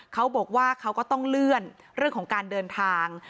เขาบอกว่าเขาก็ต้องเลื่อนเรื่องของการเดินทาง